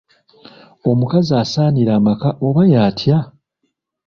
Omukazi asaanira amaka oba y'atya?